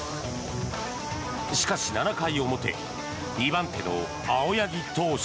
しかし、７回表２番手の青柳投手。